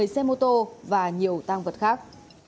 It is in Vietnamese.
một mươi xe mô tô và nhiều tăng vật khác